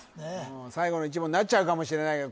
うん最後の１問になっちゃうかもしれないけど